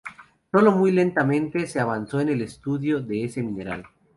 Solo muy lentamente se avanzó en el estudio de este mineral.